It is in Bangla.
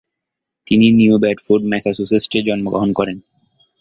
তিনি নিউ বেডফোর্ড, ম্যাসাচুসেটস-এ জন্মগ্রহণ করেন।